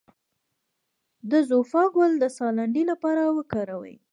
د زوفا ګل د ساه لنډۍ لپاره وکاروئ